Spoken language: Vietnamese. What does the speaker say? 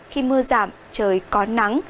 khi mưa giảm trời còn nắng